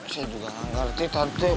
saya juga gak ngerti tante